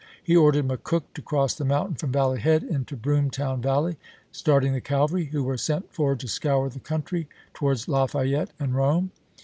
He ordered McCook to cross the mountain from Valley Head into the Broomtown Valley, starting the cavalry, who were sent forward to scoui' the country, towards Lafayette and Rome.